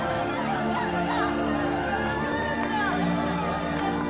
よかった！